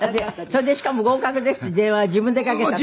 それでしかも合格ですって電話は自分でかけたって？